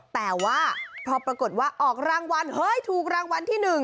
แต่ว่าพอปรากฏว่าออกรางวัลเฮ้ยถูกรางวัลที่๑